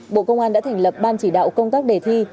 bộ công an đã thành lập ban chỉ đạo công tác đề thi